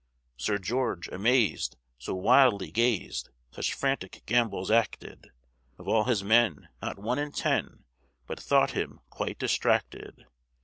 Sir George, amazed, so wildly gazed, Such frantic gambols acted, Of all his men, not one in ten But thought him quite distracted.